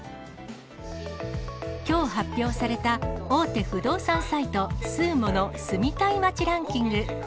きょう発表された、大手不動産サイト、スーモの住みたい街ランキング。